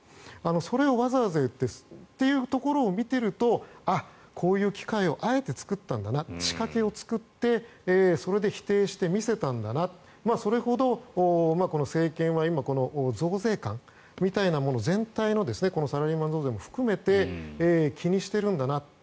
それをわざわざ言ったというところを見ているとあ、こういう機会をあえて作ったんだな仕掛けを作ってそれで否定してみせたんだなそれほどこの政権はこの政権は今増税感みたいなものの全体をこのサラリーマン増税も含めて気にしているんだな